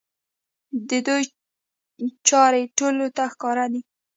د دوی چارې ټولو ته ښکاره دي.